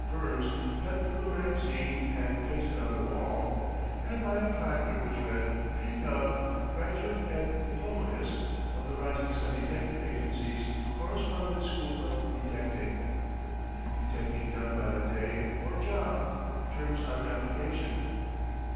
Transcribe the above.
Burns, cut from a magazine and pasted on the wall, and by a placard which read, "P. Gubb, Graduate and Diploma ist of the Rising Sun Detective Agency's Correspondence School of Detecting. Detecting done by the Day or Job. Terms on Application."